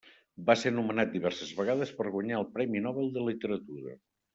Va ser nomenat diverses vegades per guanyar el Premi Nobel de Literatura.